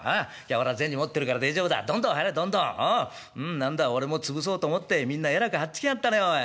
何だ俺も潰そうと思ってみんなえらく張ってきやがったねおい。